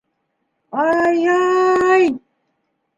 Ай-ай!